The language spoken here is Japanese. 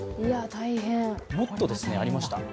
もっとありました。